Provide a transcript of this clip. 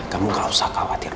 kamu gak usah khawatir